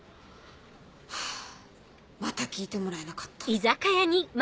ハァまた聞いてもらえなかった。